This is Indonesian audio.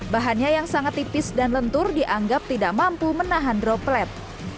bahannya yang sangat tipis dan lentur dianggap tidak mampu menahan droplet